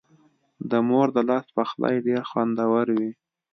د مور د لاس پخلی ډېر خوندور وي.